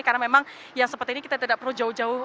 karena memang yang seperti ini kita tidak perlu jauh jauh